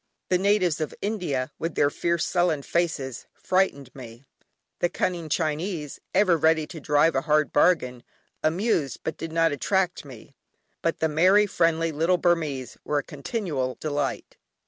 The natives of India, with their fierce sullen faces, frightened me; the cunning Chinese, ever ready to drive a hard bargain, amused but did not attract me; but the merry, friendly little Burmese were a continual delight.